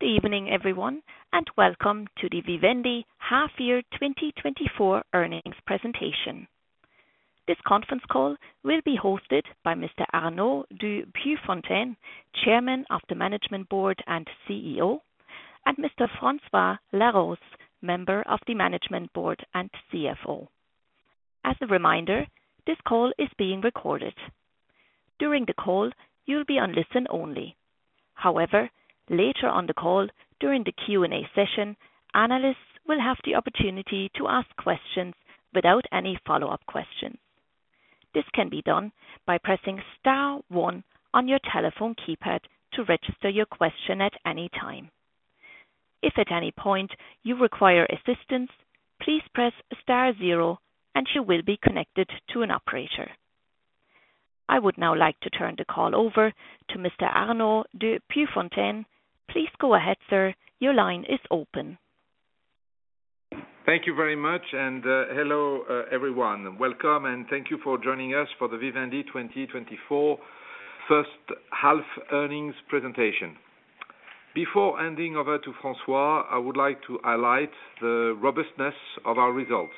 Good evening, everyone, and welcome to the Vivendi Half Year 2024 Earnings Presentation. This conference call will be hosted by Mr. Arnaud de Puyfontaine, Chairman of the Management Board and CEO, and Mr. François Laroze, Member of the Management Board and CFO. As a reminder, this call is being recorded. During the call, you'll be on listen only. However, later on the call, during the Q&A session, analysts will have the opportunity to ask questions without any follow-up questions. This can be done by pressing star one on your telephone keypad to register your question at any time. If at any point you require assistance, please press star zero and you will be connected to an operator. I would now like to turn the call over to Mr. Arnaud de Puyfontaine. Please go ahead, sir. Your line is open. Thank you very much, and hello everyone. Welcome, and thank you for joining us for the Vivendi 2024 first half earnings presentation. Before handing over to François, I would like to highlight the robustness of our results.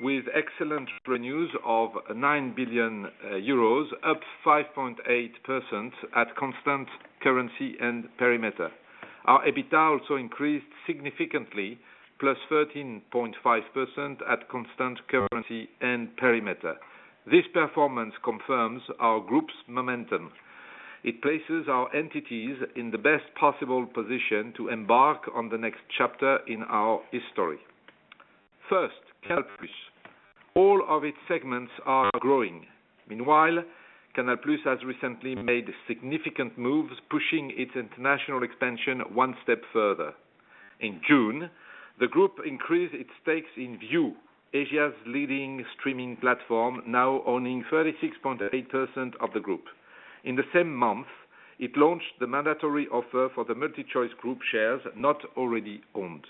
With excellent revenues of 9 billion euros, up 5.8% at constant currency and perimeter. Our EBITDA also increased significantly, plus 13.5% at constant currency and perimeter. This performance confirms our group's momentum. It places our entities in the best possible position to embark on the next chapter in our history. First, Canal+. All of its segments are growing. Meanwhile, Canal+ has recently made significant moves, pushing its international expansion one step further. In June, the group increased its stakes in Viu, Asia's leading streaming platform, now owning 36.8% of the group. In the same month, it launched the mandatory offer for the MultiChoice Group shares not already owned.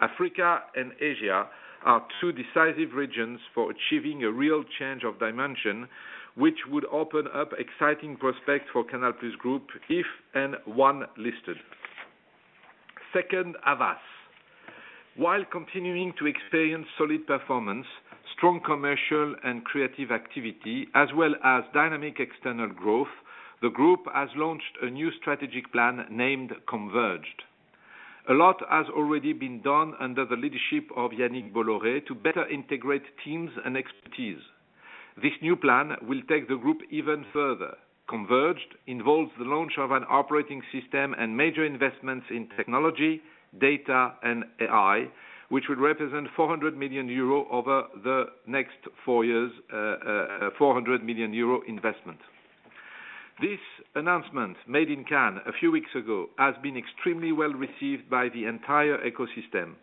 Africa and Asia are two decisive regions for achieving a real change of dimension, which would open up exciting prospects for Canal+ Group, if and when listed. Second, Havas. While continuing to experience solid performance, strong commercial and creative activity, as well as dynamic external growth, the group has launched a new strategic plan named Converged. A lot has already been done under the leadership of Yannick Bolloré to better integrate teams and expertise. This new plan will take the group even further. Converged involves the launch of an operating system and major investments in technology, data, and AI, which would represent 400 million euro over the next four years, 400 million euro investment. This announcement, made in Cannes a few weeks ago, has been extremely well received by the entire ecosystem.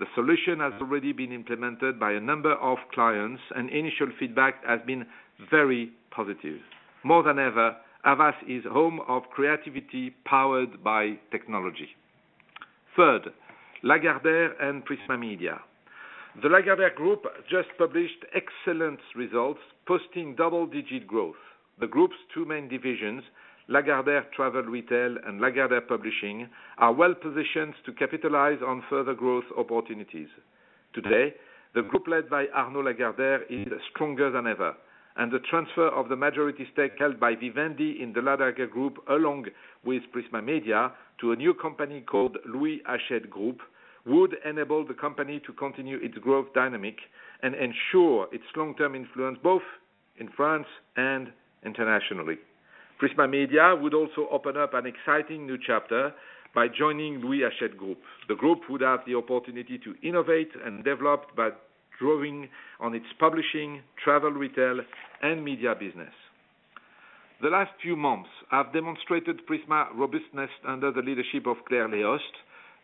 The solution has already been implemented by a number of clients, and initial feedback has been very positive. More than ever, Havas is home of creativity powered by technology. Third, Lagardère and Prisma Media. The Lagardère Group just published excellent results, posting double-digit growth. The group's two main divisions, Lagardère Travel Retail and Lagardère Publishing, are well positioned to capitalize on further growth opportunities. Today, the group, led by Arnaud Lagardère, is stronger than ever, and the transfer of the majority stake held by Vivendi in the Lagardère Group, along with Prisma Media, to a new company called Louis Hachette Group, would enable the company to continue its growth dynamic and ensure its long-term influence, both in France and internationally. Prisma Media would also open up an exciting new chapter by joining Louis Hachette Group. The group would have the opportunity to innovate and develop by drawing on its publishing, travel, retail and media business. The last few months, I've demonstrated Prisma robustness under the leadership of Claire Léost.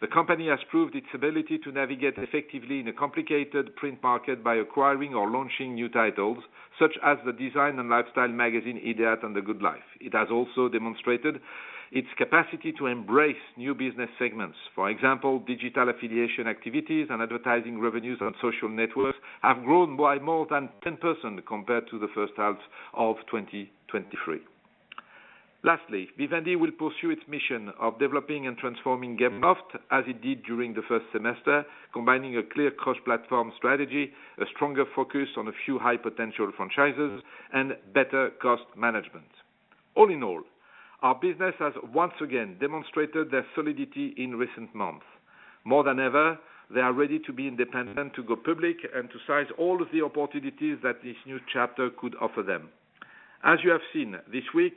The company has proved its ability to navigate effectively in a complicated print market by acquiring or launching new titles, such as the design and lifestyle magazine, IDEAT and The Good Life. It has also demonstrated its capacity to embrace new business segments. For example, digital affiliation activities and advertising revenues on social networks have grown by more than 10% compared to the first half of 2023. Lastly, Vivendi will pursue its mission of developing and transforming Gameloft, as it did during the first semester, combining a clear cross-platform strategy, a stronger focus on a few high-potential franchises, and better cost management. All in all, our business has once again demonstrated their solidity in recent months. More than ever, they are ready to be independent, to go public, and to seize all of the opportunities that this new chapter could offer them. As you have seen this week,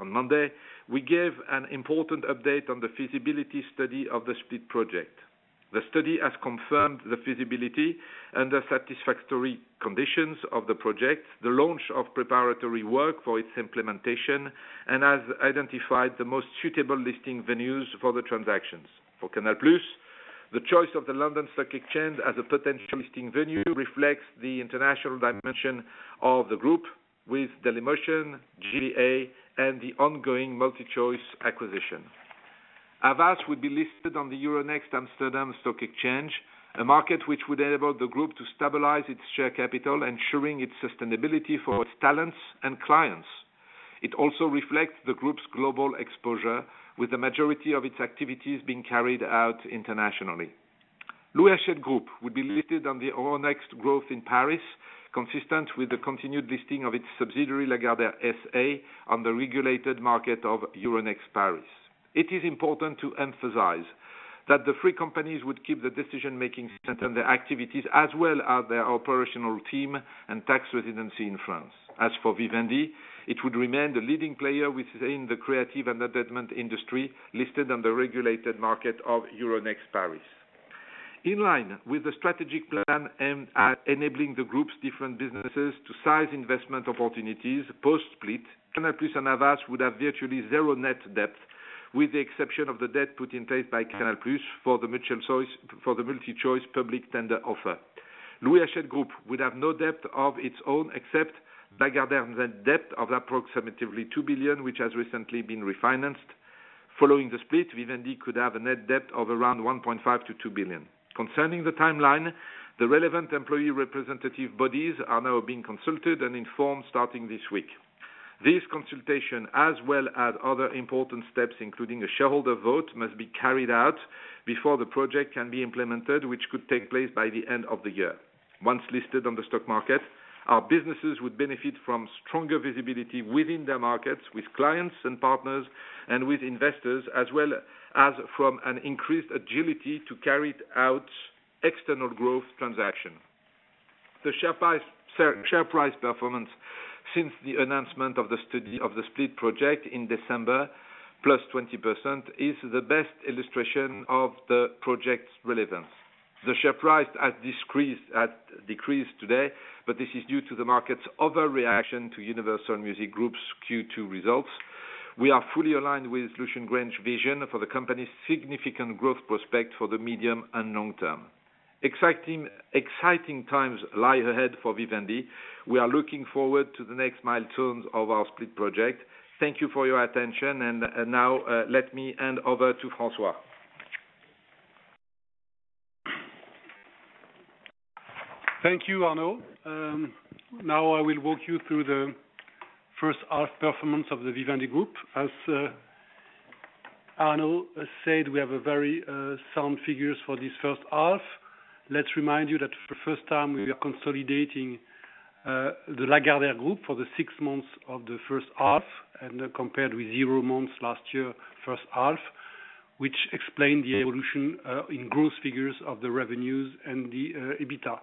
on Monday, we gave an important update on the feasibility study of the split project. The study has confirmed the feasibility and the satisfactory conditions of the project, the launch of preparatory work for its implementation, and has identified the most suitable listing venues for the transactions. For Canal+, the choice of the London Stock Exchange as a potential listing venue reflects the international dimension of the group with Dailymotion, GVA, and the ongoing MultiChoice acquisition. Havas would be listed on the Euronext Amsterdam Stock Exchange, a market which would enable the group to stabilize its share capital, ensuring its sustainability for its talents and clients. It also reflects the group's global exposure, with the majority of its activities being carried out internationally. Louis Hachette Group would be listed on the Euronext Growth in Paris, consistent with the continued listing of its subsidiary, Lagardère SA, on the regulated market of Euronext Paris. It is important to emphasize that the three companies would keep the decision-making center and their activities, as well as their operational team and tax residency in France. As for Vivendi, it would remain the leading player within the creative and development industry, listed on the regulated market of Euronext Paris. In line with the strategic plan aimed at enabling the group's different businesses to seize investment opportunities, post-split, Canal+ and Havas would have virtually zero net debt, with the exception of the debt put in place by Canal+ for the MultiChoice public tender offer. Louis Hachette Group would have no debt of its own, except Lagardère's debt of approximately 2 billion, which has recently been refinanced. Following the split, Vivendi could have a net debt of around 1.5 billion-2 billion. Concerning the timeline, the relevant employee representative bodies are now being consulted and informed starting this week. This consultation, as well as other important steps, including a shareholder vote, must be carried out before the project can be implemented, which could take place by the end of the year. Once listed on the stock market, our businesses would benefit from stronger visibility within their markets, with clients and partners and with investors, as well as from an increased agility to carry out external growth transaction. The share price performance since the announcement of the study of the split project in December, +20%, is the best illustration of the project's relevance. The share price has decreased today, but this is due to the market's overreaction to Universal Music Group's Q2 results. We are fully aligned with Lucian Grainge's vision for the company's significant growth prospect for the medium and long term. Exciting times lie ahead for Vivendi. We are looking forward to the next milestones of our split project. Thank you for your attention, and now, let me hand over to François. Thank you, Arnaud. Now I will walk you through the first half performance of the Vivendi Group. As Arnaud said, we have a very sound figures for this first half. Let's remind you that for the first time we are consolidating the Lagardère Group for the six months of the first half, and compared with 0 months last year, first half, which explained the evolution in growth figures of the revenues and the EBITDA.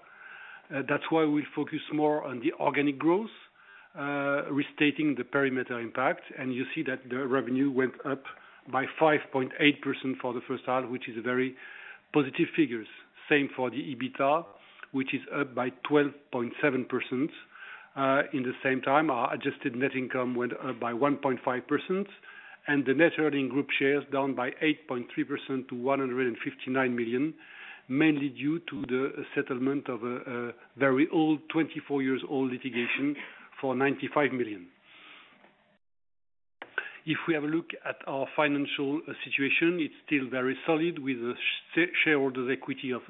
That's why we focus more on the organic growth restating the perimeter impact, and you see that the revenue went up by 5.8% for the first half, which is a very positive figures. Same for the EBITDA, which is up by 12.7%. In the same time, our adjusted net income went up by 1.5%, and the net earning group shares down by 8.3% to 159 million, mainly due to the settlement of a very old, 24 years old litigation for 95 million. If we have a look at our financial situation, it's still very solid, with a share shareholders' equity of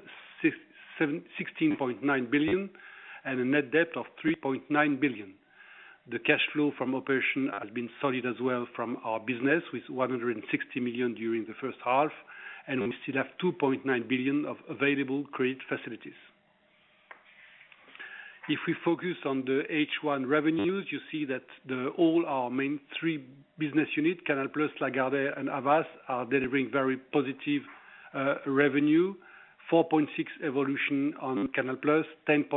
16.9 billion and a net debt of 3.9 billion. The cash flow from operation has been solid as well from our business with 160 million during the first half, and we still have 2.9 billion of available credit facilities. If we focus on the H1 revenues, you see that the all our main three business units, Canal+, Lagardère and Havas, are delivering very positive, revenue. 4.6 evolution on Canal+, 10.1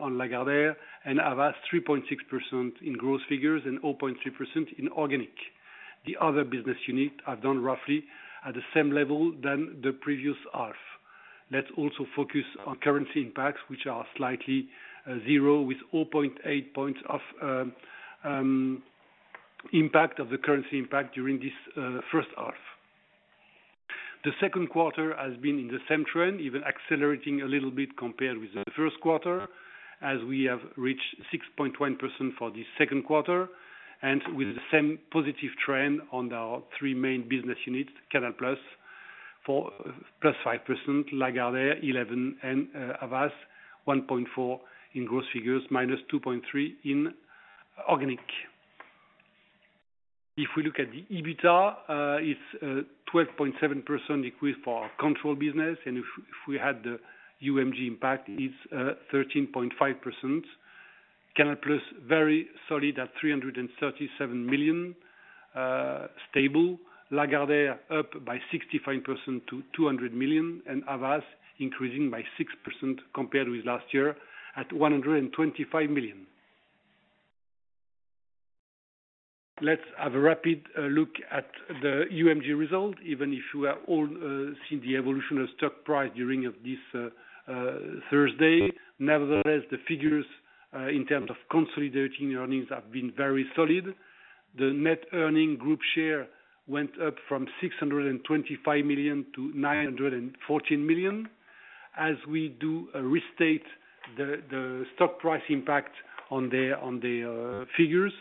on Lagardère, and Havas, 3.6% in growth figures and 0.3% in organic. The other business units have done roughly at the same level than the previous half. Let's also focus on currency impacts, which are slightly zero, with 0.8 points of impact of the currency impact during this first half. The second quarter has been in the same trend, even accelerating a little bit compared with the first quarter, as we have reached 6.1% for the second quarter, and with the same positive trend on our three main business units, Canal+ for +5%, Lagardère 11, and Havas 1.4 in growth figures, -2.3 in organic. If we look at the EBITDA, it's 12.7% increase for our control business, and if we had the UMG impact, it's 13.5%. Canal+ very solid at 337 million, stable. Lagardère up by 65% to 200 million, and Havas increasing by 6% compared with last year at 125 million. Let's have a rapid look at the UMG result, even if you have all seen the evolution of stock price during of this Thursday. Nevertheless, the figures in terms of consolidating earnings have been very solid. The net earning group share went up from 625 million-914 million. As we restate the stock price impact on the figures,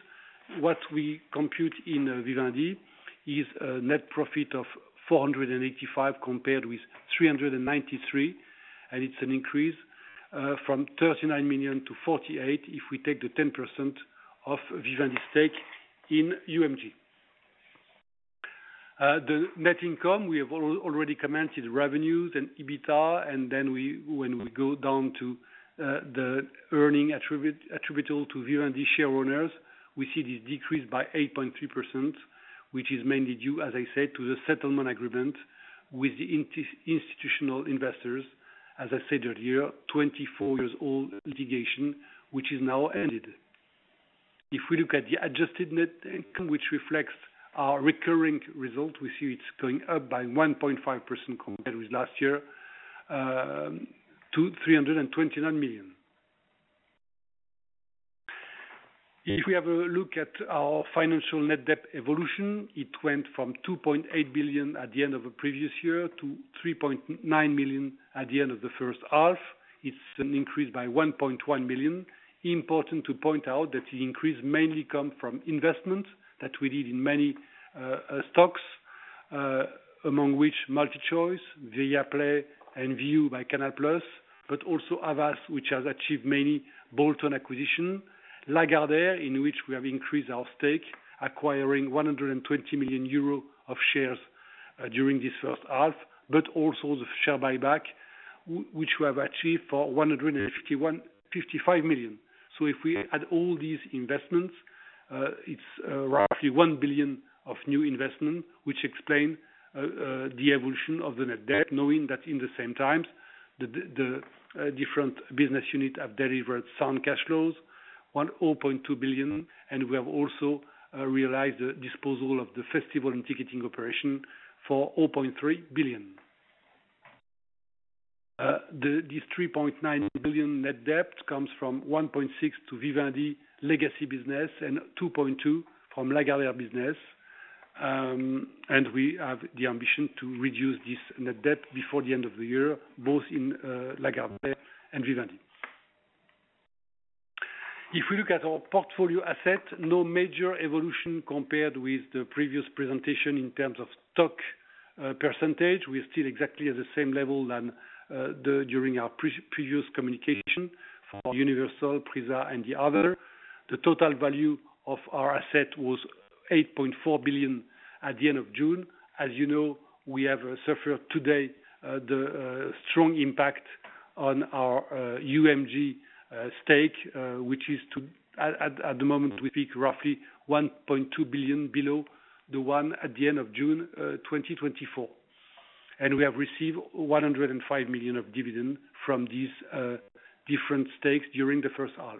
what we compute in Vivendi is a net profit of 485 million, compared with 393 million, and it's an increase from 39 million-48 million, if we take the 10% of Vivendi's stake in UMG. The net income, we have already commented revenues and EBITDA, and then when we go down to the earnings attributable to Vivendi shareholders, we see this decrease by 8.3%, which is mainly due, as I said, to the settlement agreement with the institutional investors. As I said earlier, 24-year-old litigation, which is now ended. If we look at the adjusted net income, which reflects our recurring result, we see it's going up by 1.5% compared with last year to EUR 329 million. If we have a look at our financial net debt evolution, it went from 2.8 billion at the end of the previous year to 3.9 billion at the end of the first half. It's an increase by 1.1 billion. Important to point out that the increase mainly come from investment that we did in many stocks among which MultiChoice, Viaplay, and Viu by Canal+, but also others, which has achieved many bolt-on acquisition. Lagardère, in which we have increased our stake, acquiring 120 million euro of shares during this first half, but also the share buyback, which we have achieved for 151.55 million. So if we add all these investments, it's roughly 1 billion of new investment, which explain the evolution of the net debt, knowing that in the same times, the different business unit have delivered some cash flows, 1.02 billion, and we have also realized the disposal of the festival and ticketing operation for 0.3 billion. This 3.9 billion net debt comes from 1.6 billion to Vivendi legacy business and 2.2 billion from Lagardère business. And we have the ambition to reduce this net debt before the end of the year, both in Lagardère and Vivendi. If we look at our portfolio asset, no major evolution compared with the previous presentation in terms of stock percentage. We're still exactly at the same level as during our previous communication for Universal, PRISA and the other. The total value of our asset was 8.4 billion at the end of June. As you know, we have suffered today the strong impact on our UMG stake, which is at the moment we peak roughly 1.2 billion below the one at the end of June 2024. And we have received 105 million of dividend from these different stakes during the first half.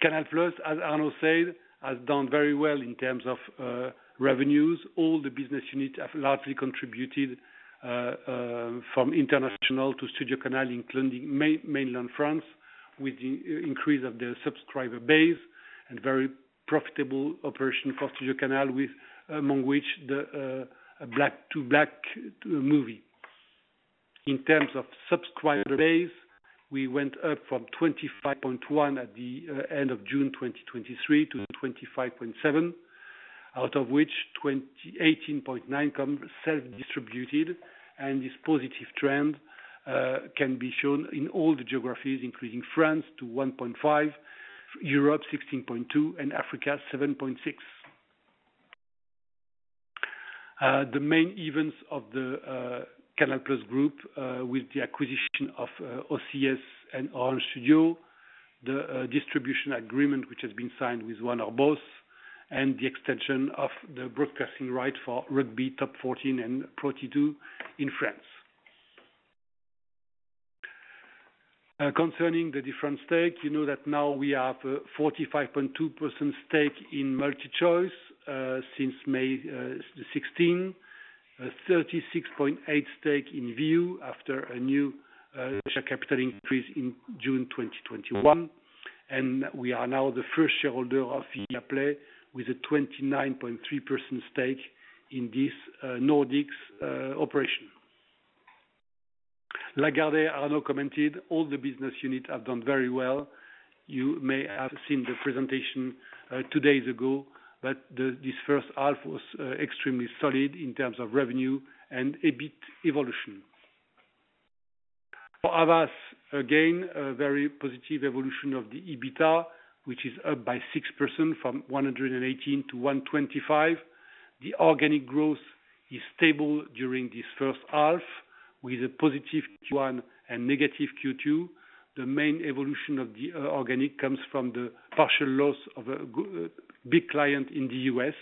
Canal+, as Arnaud said, has done very well in terms of revenues. All the business units have largely contributed, from international to StudioCanal, including Mainland France, with the increase of the subscriber base and very profitable operation for StudioCanal, with among which the Back to Black movie. In terms of subscriber base, we went up from 25.1 at the end of June 2023, to 25.7, out of which 18.9 come self-distributed, and this positive trend can be shown in all the geographies, including France, to 1.5, Europe, 16.2, and Africa, 7.6. The main events of the Canal+ Group with the acquisition of OCS and Orange Studio, the distribution agreement, which has been signed with one of both, and the extension of the broadcasting right for Rugby Top 14 and Pro D2 in France. Concerning the different stake, you know that now we have a 45.2% stake in MultiChoice since May 16. 36.8% stake in Viu after a new share capital increase in June 2021. And we are now the first shareholder of Viaplay, with a 29.3% stake in this Nordics operation. Arnaud Lagardère commented, "All the business units have done very well." You may have seen the presentation two days ago, but this first half was extremely solid in terms of revenue and EBIT evolution. For Havas, again, a very positive evolution of the EBITDA, which is up by 6% from 118 to 125. The organic growth is stable during this first half, with a positive Q1 and negative Q2. The main evolution of the organic comes from the partial loss of a big client in the U.S.,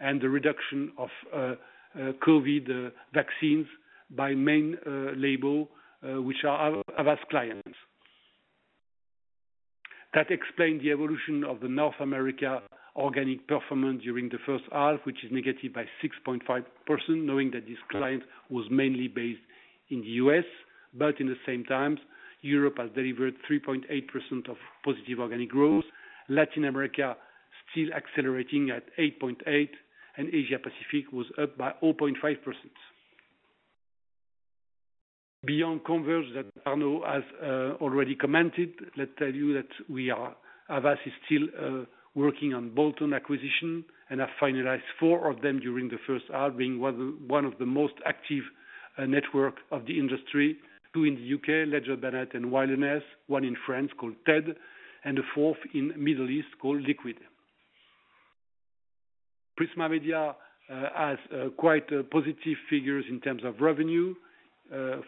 and the reduction of COVID vaccines by main label, which are our Havas clients. That explained the evolution of the North America organic performance during the first half, which is negative by 6.5%, knowing that this client was mainly based in the U.S. But in the same time, Europe has delivered 3.8% of positive organic growth. Latin America still accelerating at 8.8%, and Asia Pacific was up by 0.5%.... Beyond Converged that Arnaud has already commented, let's tell you that we are, Havas is still working on bolt-on acquisitions and have finalized four of them during the first half, being one of the most active networks of the industry. Two in the U.K., Ledger Bennett and Wilderness. One in France, called TED, and a fourth in Middle East called Liquid. Prisma Media has quite positive figures in terms of revenue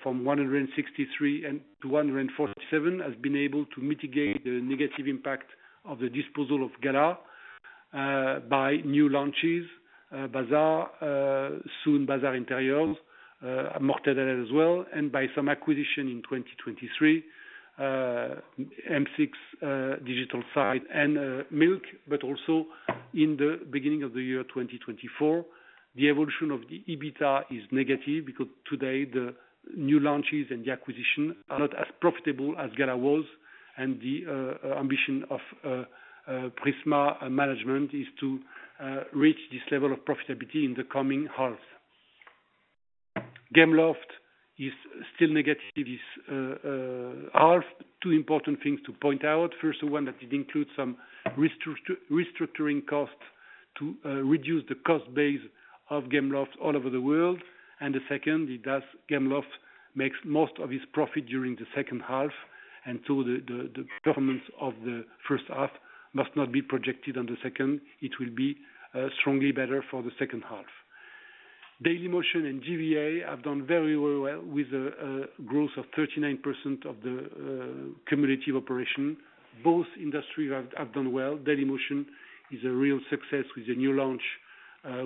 from 163 million-147 million, has been able to mitigate the negative impact of the disposal of Gala. By new launches, Bazaar, soon, Bazaar Interiors, as well, and by some acquisition in 2023, MilK digital side and MilK. But also in the beginning of the year, 2024, the evolution of the EBITDA is negative because today the new launches and the acquisition are not as profitable as Gala was. And the ambition of Prisma management is to reach this level of profitability in the coming half. Gameloft is still negative is half. Two important things to point out. First one, that it includes some restructuring costs to reduce the cost base of Gameloft all over the world. And the second, it does, Gameloft makes most of its profit during the second half, and so the performance of the first half must not be projected on the second. It will be strongly better for the second half. Dailymotion and GVA have done very well, well with a growth of 39% of the cumulative operation. Both industries have done well. Dailymotion is a real success with the new launch,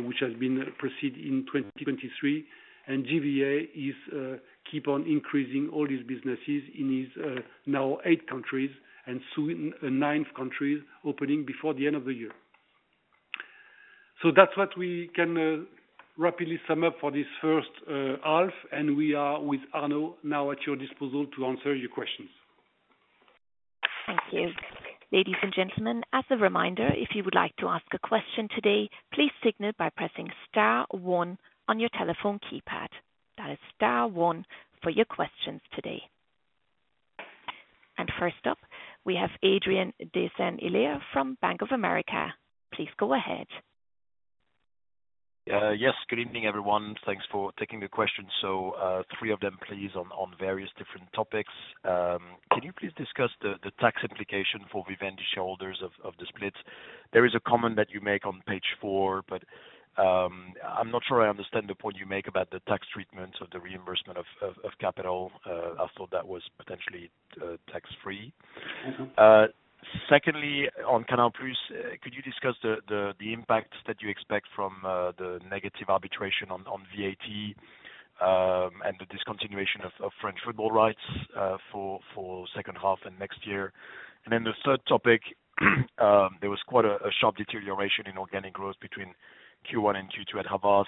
which has been proceeded in 2023, and GVA is keep on increasing all these businesses in these, now eight countries and soon, nine countries opening before the end of the year. So that's what we can rapidly sum up for this first half. And we are with Arnaud now at your disposal to answer your questions. Thank you. Ladies and gentlemen, as a reminder, if you would like to ask a question today, please signal by pressing star one on your telephone keypad. That is star one for your questions today. First up, we have Adrien de Saint Hilaire from Bank of America. Please go ahead. Yes, good evening, everyone. Thanks for taking the question. So, three of them, please, on various different topics. Can you please discuss the tax implication for Vivendi shareholders of the split? There is a comment that you make on page four, but I'm not sure I understand the point you make about the tax treatment of the reimbursement of capital. I thought that was potentially tax-free. Mm-hmm. Secondly, on Canal+, could you discuss the impact that you expect from the negative arbitration on VAT and the discontinuation of French football rights for second half and next year? Then the third topic, there was quite a sharp deterioration in organic growth between Q1 and Q2 at Havas.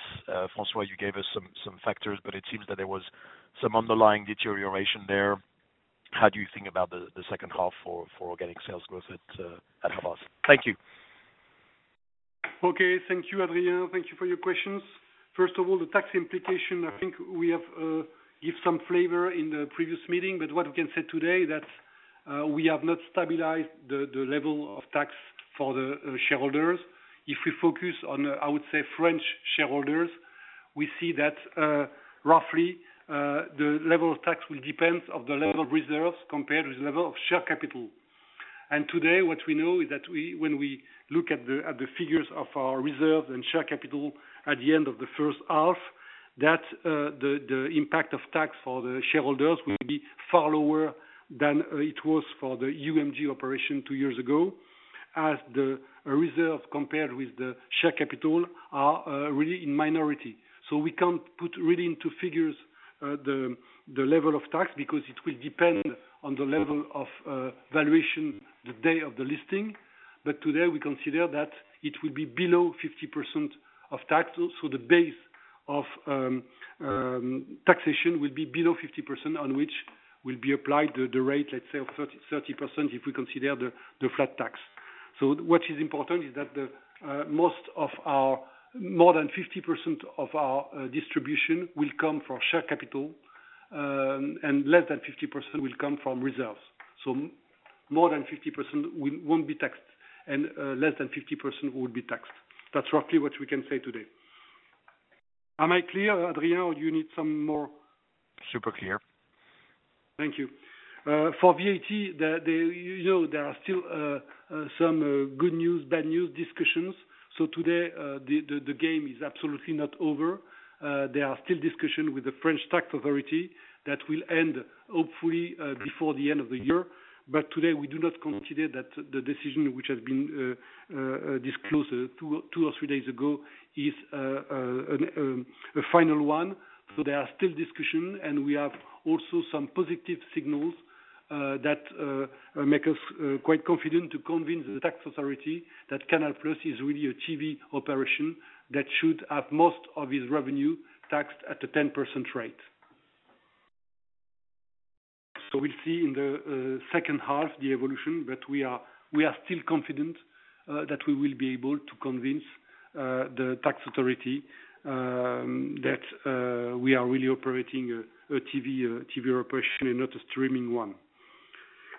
François, you gave us some factors, but it seems that there was some underlying deterioration there. How do you think about the second half for organic sales growth at Havas? Thank you. Okay, thank you, Adrien. Thank you for your questions. First of all, the tax implication, I think we have, give some flavor in the previous meeting, but what we can say today, that, we have not stabilized the, the level of tax for the, shareholders. If we focus on, I would say, French shareholders, we see that, roughly, the level of tax will depend on the level of reserves compared with the level of share capital. And today, what we know is that when we look at the, at the figures of our reserves and share capital at the end of the first half, that, the, the impact of tax for the shareholders will be far lower than, it was for the UMG operation two years ago, as the reserve compared with the share capital are, really in minority. So we can't put really into figures the level of tax, because it will depend on the level of valuation the day of the listing. But today, we consider that it will be below 50% of tax. So the base of taxation will be below 50%, on which will be applied the rate, let's say, of 30%, if we consider the flat tax. So what is important is that the most of our, more than 50% of our distribution will come from share capital, and less than 50% will come from reserves. So more than 50% won't be taxed, and less than 50% will be taxed. That's roughly what we can say today. Am I clear, Adrien, or you need some more? Super clear. Thank you. For VAT, you know, there are still some good news, bad news discussions. So today, the game is absolutely not over. There are still discussions with the French tax authority that will end, hopefully, before the end of the year. But today, we do not consider that the decision which has been disclosed two or three days ago is a final one. So there are still discussion, and we have also some positive signals that make us quite confident to convince the tax authority that Canal+ is really a TV operation that should have most of its revenue taxed at a 10% rate. So we'll see in the second half the evolution, but we are still confident that we will be able to convince the tax authority that we are really operating a TV operation and not a streaming one.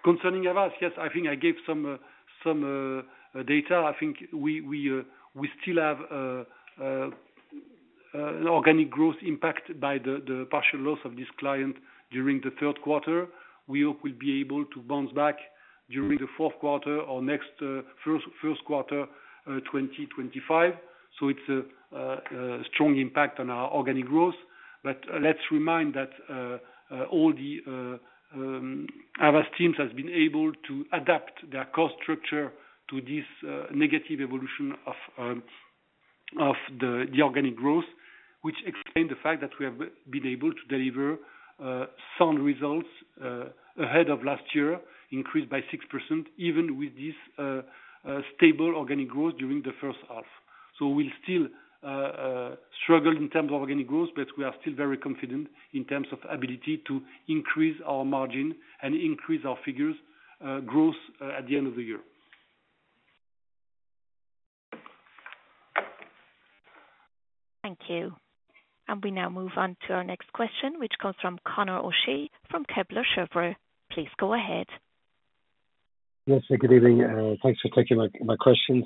Concerning us, yes, I think I gave some data. I think we still have an organic growth impact by the partial loss of this client during the third quarter. We hope we'll be able to bounce back during the fourth quarter or next first quarter 2025. So it's a strong impact on our organic growth. But let's remind that all our teams has been able to adapt their cost structure to this negative evolution of the organic growth, which explain the fact that we have been able to deliver sound results ahead of last year, increased by 6%, even with this stable organic growth during the first half. So we'll still struggle in terms of organic growth, but we are still very confident in terms of ability to increase our margin and increase our figures growth at the end of the year. Thank you. We now move on to our next question, which comes from Conor O'Shea, from Kepler Cheuvreux. Please go ahead. Yes, good evening, thanks for taking my, my questions.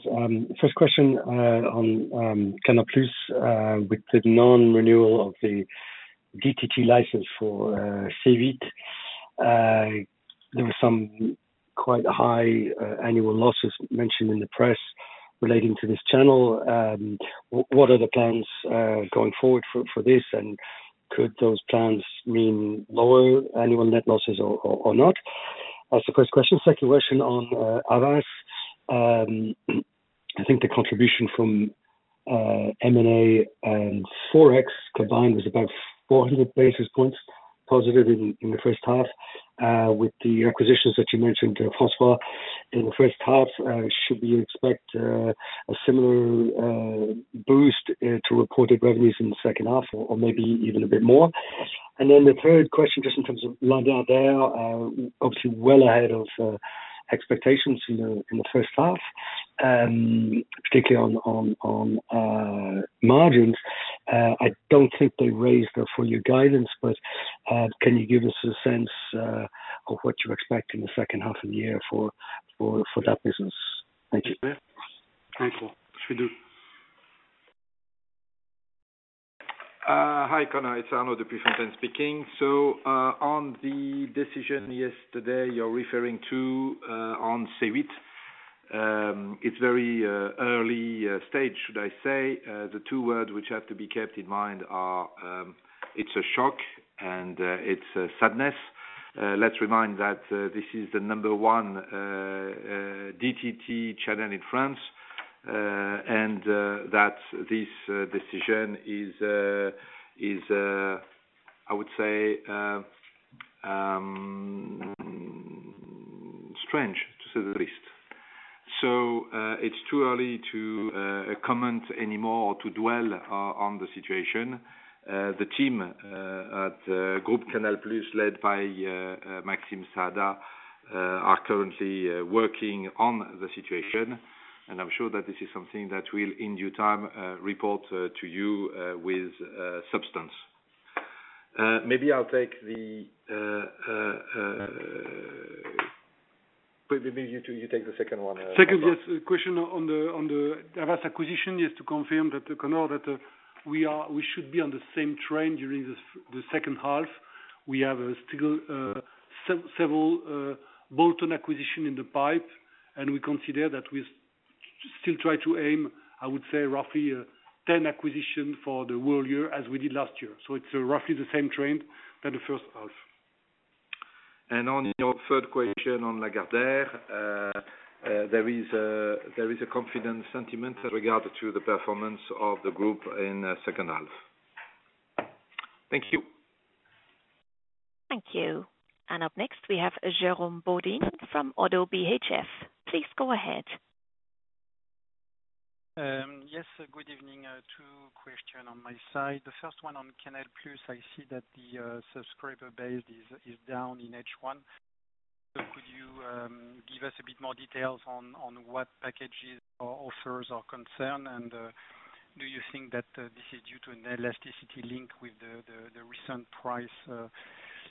First question, on Canal+, with the non-renewal of the DTT license for C8. There were some quite high annual losses mentioned in the press relating to this channel. What are the plans, going forward for, for this? And could those plans mean lower annual net losses or, or, or not? That's the first question. Second question on Havas. I think the contribution from M&A and Forex combined was about 400 basis points positive in the first half. With the acquisitions that you mentioned, François, in the first half, should we expect a similar boost to reported revenues in the second half or, or maybe even a bit more? Then the third question, just in terms of Lagardère, obviously well ahead of expectations in the first half, particularly on margins. I don't think they raised the full year guidance, but can you give us a sense of what you expect in the second half of the year for that business? Thank you. Thank you. Sure do. Hi, Conor. It's Arnaud de Puyfontaine speaking. So, on the decision yesterday you're referring to, on C8, it's very early stage, should I say. The two words which have to be kept in mind are, it's a shock and, it's a sadness. Let's remind that, this is the number one DTT channel in France, and, that this decision is, is, I would say, strange, to say the least. So, it's too early to comment anymore or to dwell on, on the situation. The team at Group Canal+ led by Maxime Saada are currently working on the situation, and I'm sure that this is something that we'll, in due time, report to you with substance. Maybe you two, you take the second one. Second, yes, question on the Havas acquisition, just to confirm that we should be on the same page during the second half. We have still several bolt-on acquisitions in the pipeline, and we consider that we still try to aim, I would say, roughly 10 acquisitions for the whole year, as we did last year. So it's roughly the same trend than the first half. On your third question on Lagardère, there is a confident sentiment regard to the performance of the group in the second half. Thank you. Thank you. Up next, we have Jérôme Bodin from Oddo BHF. Please go ahead. Yes, good evening. Two questions on my side. The first one on Canal+, I see that the subscriber base is down in H1. So could you give us a bit more details on what packages or offers are concerned? And do you think that this is due to an elasticity link with the recent price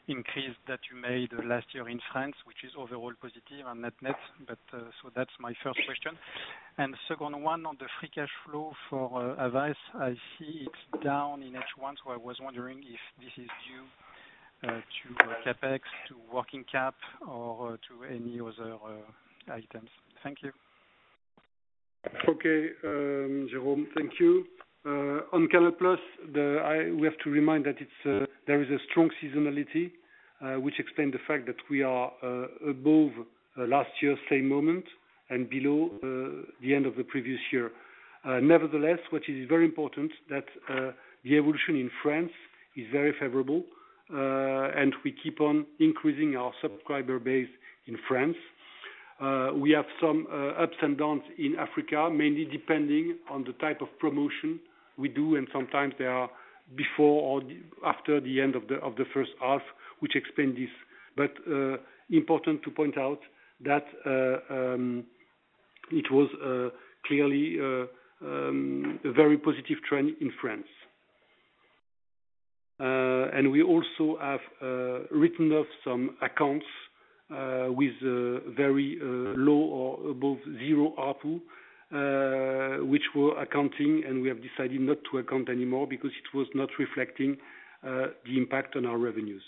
increase that you made last year in France, which is overall positive on net net, but so that's my first question. And second one on the free cash flow for Vivendi. I see it's down in H1, so I was wondering if this is due to CapEx, to working cap, or to any other items. Thank you. Okay. Jérôme, thank you. On Canal+, we have to remind that it's there is a strong seasonality, which explained the fact that we are above last year, same moment and below the end of the previous year. Nevertheless, which is very important, that the evolution in France is very favorable, and we keep on increasing our subscriber base in France. We have some ups and downs in Africa, mainly depending on the type of promotion we do, and sometimes they are before or after the end of the first half, which explain this. But important to point out that it was clearly a very positive trend in France. And we also have written off some accounts with very low or above zero ARPU, which were accounting, and we have decided not to account anymore because it was not reflecting the impact on our revenues.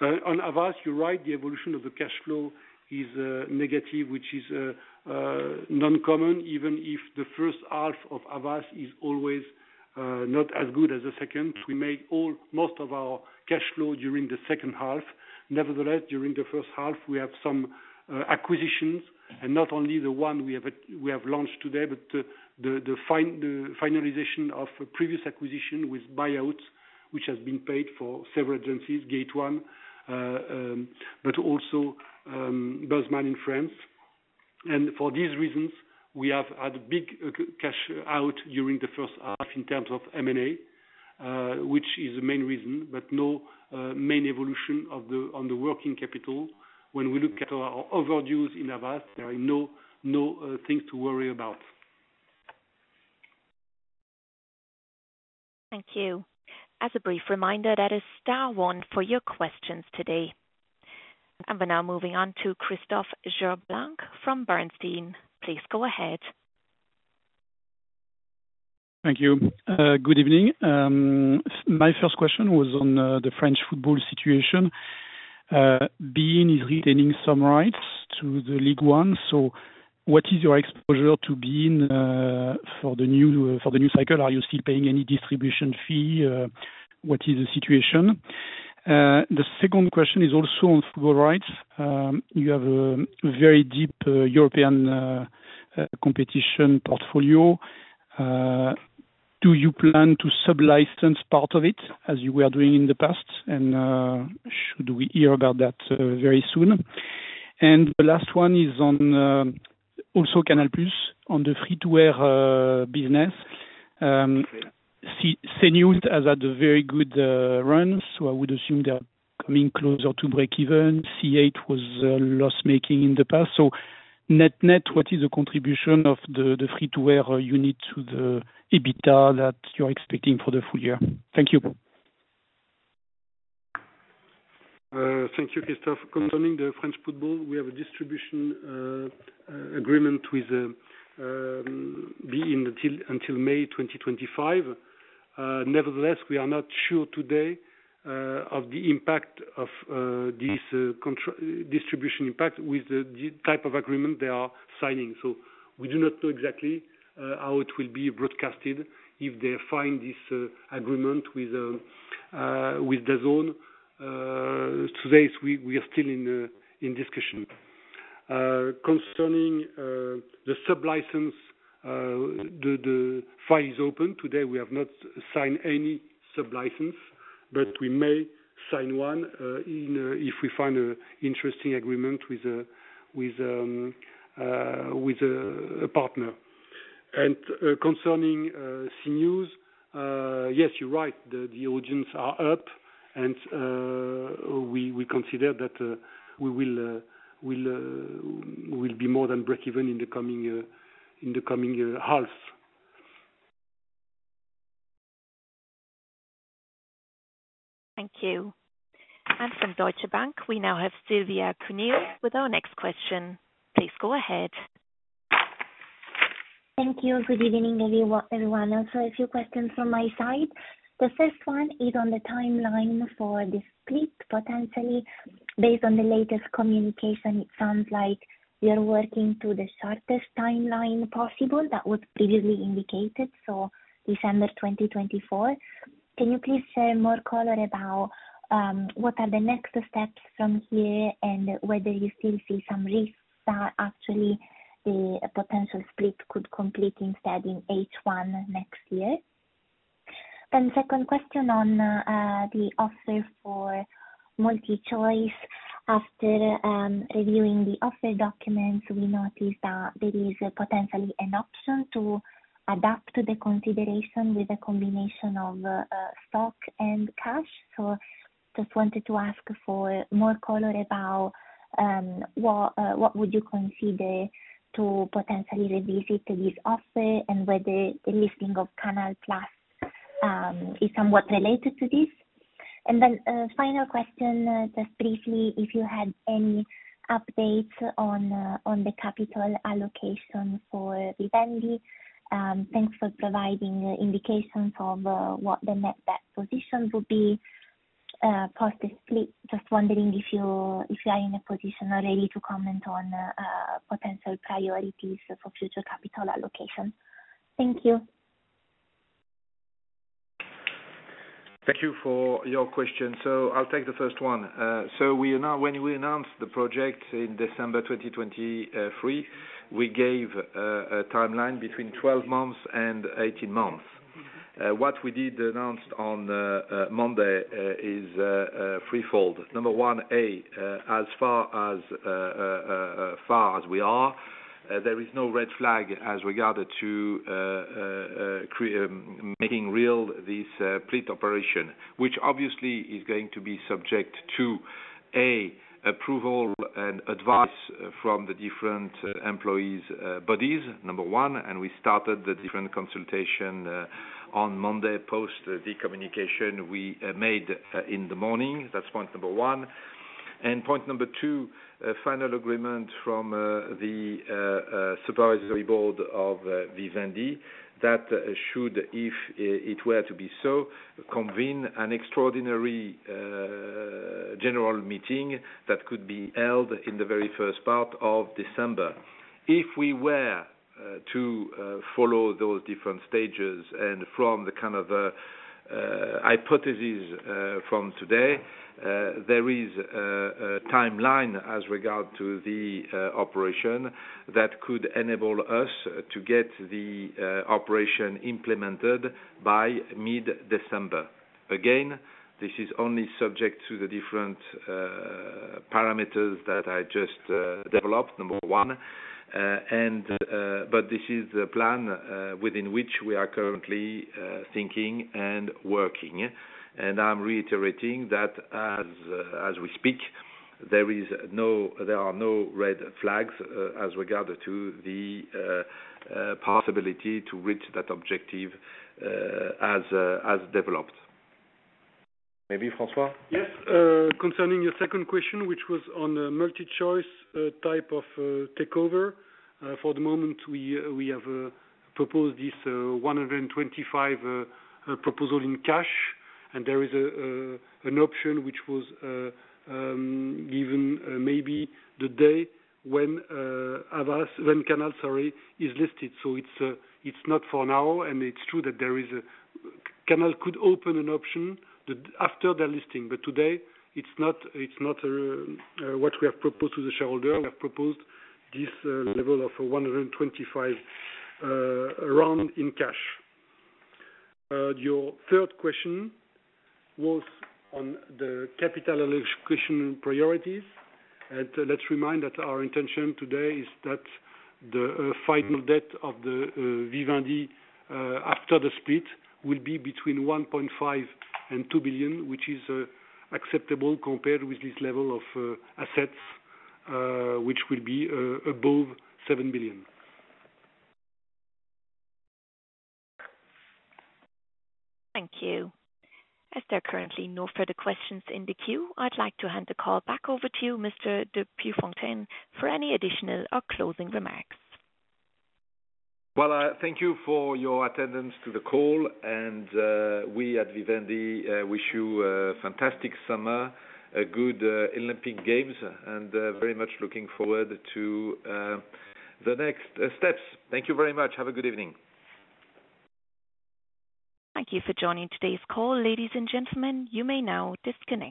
On Havas, you're right, the evolution of the cash flow is negative, which is non-common, even if the first half of Havas is always not as good as the second. We make almost all of our cash flow during the second half. Nevertheless, during the first half, we have some acquisitions and not only the one we have launched today, but the finalization of a previous acquisition with buyouts, which has been paid for several agencies, Gate One. But also, Buzzman in France. For these reasons, we have had big cash out during the first half in terms of M&A, which is the main reason, but no main evolution on the working capital. When we look at our overages in assets, there are no things to worry about. Thank you. As a brief reminder, that is star one for your questions today. And we're now moving on to Christophe Cherblanc from Bernstein. Please go ahead. Thank you. Good evening. My first question was on the French football situation. beIN is retaining some rights to the Ligue 1, so what is your exposure to beIN for the new cycle? Are you still paying any distribution fee? What is the situation? The second question is also on football rights. You have a very deep European competition portfolio. Do you plan to sub-license part of it, as you were doing in the past? And should we hear about that very soon? And the last one is on also Canal+, on the free to air business. CNews has had a very good run, so I would assume they are coming closer to breakeven. C8 was loss-making in the past. So net, net, what is the contribution of the free-to-air unit to the EBITDA that you're expecting for the full year? Thank you. Thank you, Christophe. Concerning the French football, we have a distribution agreement with BeIN until May 2025. Nevertheless, we are not sure today of the impact of this distribution impact with the type of agreement they are signing. So we do not know exactly how it will be broadcasted if they find this agreement with DAZN. Today, we are still in discussion. Concerning the sub-license, the file is open. Today, we have not signed any sub-license, but we may sign one if we find a interesting agreement with a partner. Concerning CNews, yes, you're right, the audience are up, and we consider that we will be more than breakeven in the coming half. Thank you. From Deutsche Bank, we now have Silvia Cuneo with our next question. Please go ahead. Thank you. Good evening, everyone. Also, a few questions from my side. The first one is on the timeline for the split, potentially based on the latest communication, it sounds like you're working to the shortest timeline possible that was previously indicated, so December 2024. Can you please share more color about what are the next steps from here? And whether you still see some risks that actually the potential split could complete instead in H1 next year? Then second question on the offer for MultiChoice. After reviewing the offer documents, we noticed that there is potentially an option to adapt to the consideration with a combination of stock and cash. So just wanted to ask for more color about what would you consider to potentially revisit to this offer? Whether the listing of Canal+ is somewhat related to this. Then, final question, just briefly, if you had any updates on the capital allocation for Vivendi. Thanks for providing indications of what the net debt position will be post the split. Just wondering if you are in a position already to comment on potential priorities for future capital allocation. Thank you. Thank you for your question. So I'll take the first one. So we are now, when we announced the project in December 2023, we gave a timeline between 12 months and 18 months.... What we did announced on Monday is threefold. Number one, A, as far as far as we are, there is no red flag as regard to create making real this split operation, which obviously is going to be subject to: A, approval and advice from the different employees bodies, number one, and we started the different consultation on Monday post the communication we made in the morning. That's point number one. And point number two, a final agreement from the supervisory board of Vivendi, that should, if it were to be so, convene an extraordinary general meeting that could be held in the very first part of December. If we were to follow those different stages and from the kind of hypothesis from today, there is a timeline as regard to the operation that could enable us to get the operation implemented by mid-December. Again, this is only subject to the different parameters that I just developed, number one. And but this is the plan within which we are currently thinking and working. And I'm reiterating that as we speak, there are no red flags as regard to the possibility to reach that objective as developed. Maybe Francois? Yes, concerning your second question, which was on a MultiChoice type of takeover. For the moment, we have proposed this 125 proposal in cash, and there is an option which was given, maybe the day when Canal, sorry, is listed. So it's not for now, and it's true that there is a Canal could open an option after the listing, but today it's not what we have proposed to the shareholder. We have proposed this level of 125 rand in cash. Your third question was on the capital allocation priorities. Let's remind that our intention today is that the final debt of the Vivendi after the split will be between 1.5 billion and 2 billion, which is acceptable compared with this level of assets, which will be above 7 billion. Thank you. As there are currently no further questions in the queue, I'd like to hand the call back over to you, Mr. de Puyfontaine, for any additional or closing remarks. Well, thank you for your attendance to the call, and, we at Vivendi, wish you a fantastic summer, a good Olympic Games, and, very much looking forward to, the next steps. Thank you very much. Have a good evening. Thank you for joining today's call. Ladies and gentlemen, you may now disconnect.